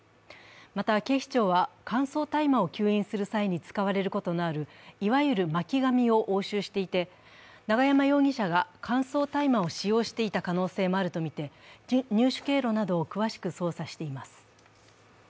また、警視庁は乾燥大麻を吸引する際に使われることのあるいわゆる巻紙を押収していて、永山容疑者が乾燥大麻を使用していた可能性もあるとみて、入手経路などを詳しく捜査しています。